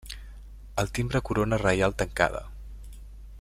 Al timbre corona reial tancada.